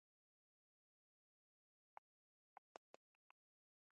زه په دې چي مي بدرنګ سړی منلی